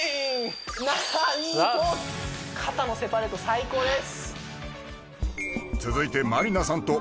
肩のセパレート最高です